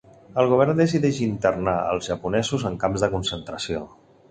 El govern decideix internar els japonesos en camps de concentració.